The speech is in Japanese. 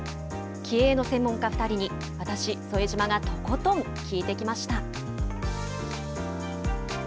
気鋭の専門家２人に、私、副島がとことん聞いてきました。